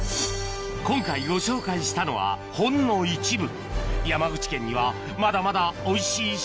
今回ご紹介したのはほんの一部あるそうです